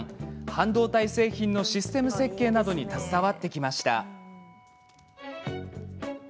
半導体製品のシステム設計などに携わってきました。